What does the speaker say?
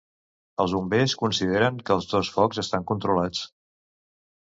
Els Bombers consideren que els dos focs estan controlats.